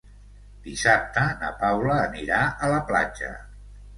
Dissabte na Paula anirà a la platja.